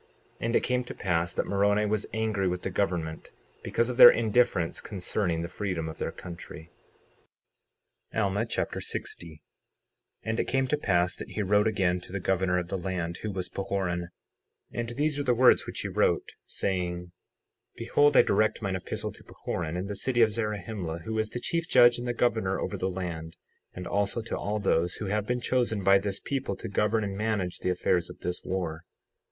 59:13 And it came to pass that Moroni was angry with the government, because of their indifference concerning the freedom of their country. Alma Chapter 60 60:1 And it came to pass that he wrote again to the governor of the land, who was Pahoran, and these are the words which he wrote, saying: Behold, I direct mine epistle to Pahoran, in the city of Zarahemla, who is the chief judge and the governor over the land, and also to all those who have been chosen by this people to govern and manage the affairs of this war.